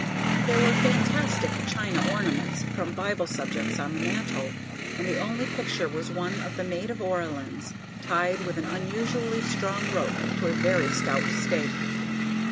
There were fantastic china ornaments from Bible subjects on the mantel, and the only picture was one of the Maid of Orleans tied with an unnecessarily strong rope to a very stout stake.